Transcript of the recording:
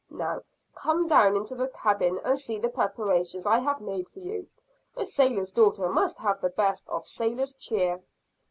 Now, come down into the cabin and see the preparations I have made for you; a sailor's daughter must have the best of sailor's cheer."